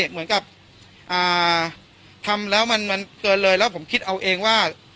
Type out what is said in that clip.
เหมือนกับทำแล้วมันเกินเลยแล้วผมคิดเอาเองว่า